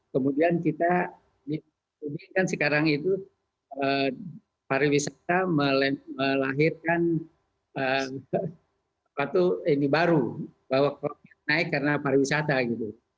kemudian kita ini kan sekarang itu pariwisata melahirkan apa itu ini baru bahwa naik karena pariwisata gitu